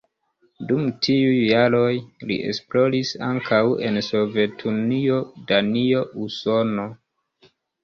Dum tiuj jaroj li esploris ankaŭ en Sovetunio, Danio, Usono.